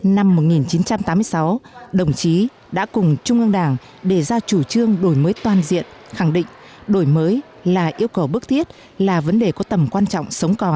năm một nghìn chín trăm tám mươi sáu đồng chí đã cùng trung ương đảng đề ra chủ trương đổi mới toàn diện khẳng định đổi mới là yêu cầu bước tiết là vấn đề có tầm quan trọng